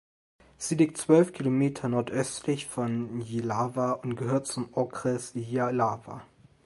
Sie liegt zwölf Kilometer nordöstlich von Jihlava und gehört zum Okres Jihlava.